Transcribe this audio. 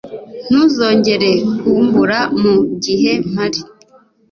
Ntuzongere kumbura mu gihe mpari.